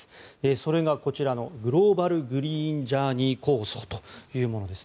それがこちらのグローバル・グリーン・ジャーニー構想というものです。